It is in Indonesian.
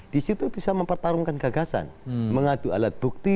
di situ bisa mempertarungkan gagasan mengadu alat bukti